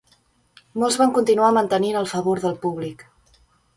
Molts van continuar mantenint el favor del públic.